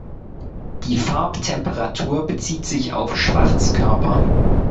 Die Farbtemperatur bezieht sich auf Schwarzkörper.